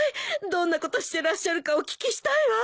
どんなことしてらっしゃるかお聞きしたいわ。